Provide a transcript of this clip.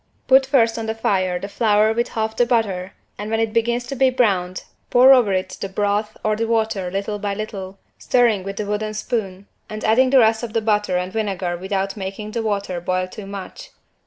Put first on the fire the flour with half the butter and when it begins to be browned pour over it the broth or the water little by little, stirring with the wooden spoon and adding the rest of the butter and the vinegar without making the water boil too much.